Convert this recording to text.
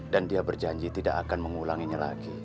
dan dia berjanji tidak akan mengulanginya lagi